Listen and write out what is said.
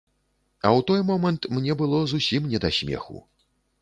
А ў той момант мне было зусім не да смеху.